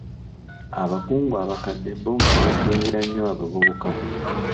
Abakungu abakadde bo nga beekengera nnyo abavubuka.